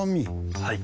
はい。